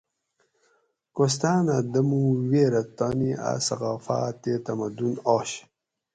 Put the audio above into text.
کوستاۤنہ دموگ ویرہ تانی اۤ ثقافات تے تمدن آش